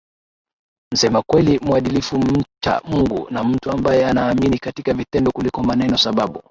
msema kweli mwadilifu mcha Mungu na mtu ambaye anaamini katika vitendo kuliko manenoSababu